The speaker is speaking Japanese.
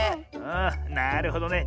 あなるほどね。